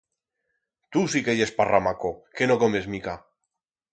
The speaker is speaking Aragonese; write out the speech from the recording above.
Tu sí que yes parramaco, que no comes mica.